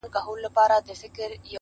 تر ديواله لاندي ټوټه، د خپل کفن را باسم,